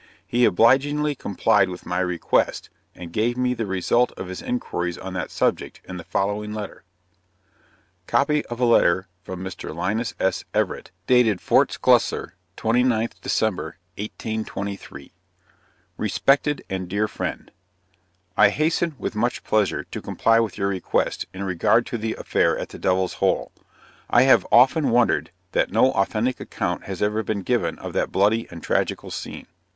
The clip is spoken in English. He obligingly complied with my request, and gave me the result of his inquiries on that subject, in the following letter: Copy of a letter from Mr. Linus S. Everett, dated Fort Sclusser, 29th December, 1823. Respected and dear friend, I hasten, with much pleasure, to comply with your request, in regard to the affair at the Devil's Hole. I have often wondered that no authentic account has ever been given of that bloody and tragical scene.